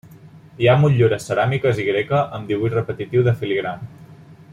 Hi ha motllures ceràmiques i greca amb dibuix repetitiu de filigrana.